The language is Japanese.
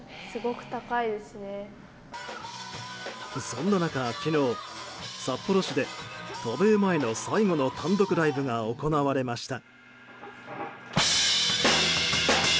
そんな中、昨日、札幌市で渡米前の最後の単独ライブが行われました。